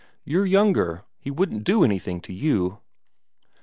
"You're younger, he wouldn't do anything to you."